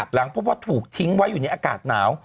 หลังพบว่าถูกทิ้งไว้อยู่ในอากาศหนาว